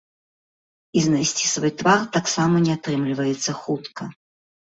І знайсці свой тавар таксама не атрымліваецца хутка.